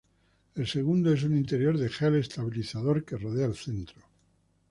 El segundo es un interior de gel estabilizador que rodea el centro.